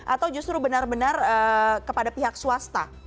atau justru benar benar kepada pihak swasta